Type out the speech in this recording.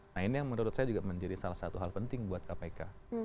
nah ini yang menurut saya juga menjadi salah satu hal penting buat kpk